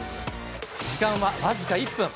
時間は僅か１分。